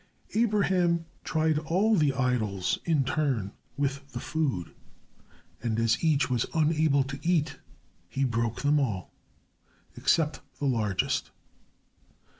Abraham tried all the idols in turn with the food, and as each was unable to eat, he broke them all except the largest.